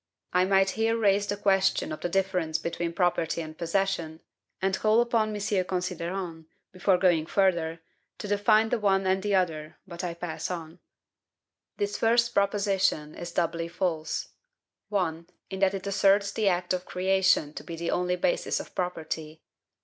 I might here raise the question of the difference between property and possession, and call upon M. Considerant, before going further, to define the one and the other; but I pass on. This first proposition is doubly false. 1. In that it asserts the act of CREATION to be the only basis of property.